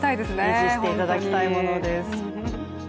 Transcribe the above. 維持していただきたいものです。